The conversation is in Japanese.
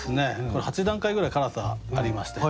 これ８段階ぐらい辛さありまして。